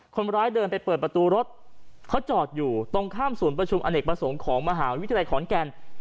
คนร้ายเดินไปเปิดประตูรถเขาจอดอยู่ตรงข้ามศูนย์ประชุมอเนกประสงค์ของมหาวิทยาลัยขอนแก่น